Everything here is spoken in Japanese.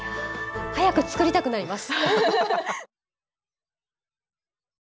早く作りたくなります！